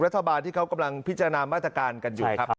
รัฐบาลที่เขากำลังพิจารณามาตรการกันอยู่ครับ